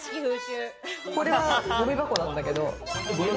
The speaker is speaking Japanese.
これはごみ箱なんだけど。